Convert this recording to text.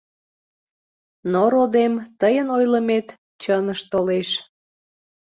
— Но, родем, тыйын ойлымет чыныш толеш.